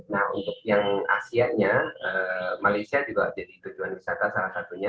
nah untuk yang asianya malaysia juga jadi tujuan wisata salah satunya